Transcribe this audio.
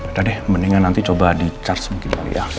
udah deh mendingan nanti coba di charge mungkin